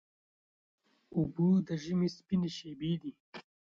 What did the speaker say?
اوبه د ژمي سپینې شېبې دي.